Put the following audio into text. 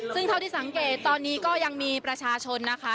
ซึ่งเท่าที่สังเกตตอนนี้ก็ยังมีประชาชนนะคะ